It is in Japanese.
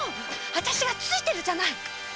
私がついてるじゃない！